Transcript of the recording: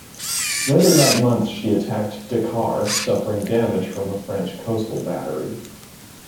Later that month she attacked Dakar, suffering damage from a French coastal battery.